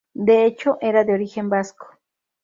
De hecho, era de origen vasco.